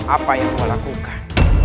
apa yang melakukan